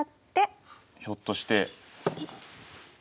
ひょっとして。